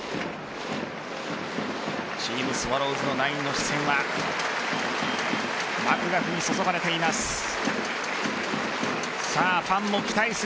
チームスワローズナインの視線はマクガフにそそがれています。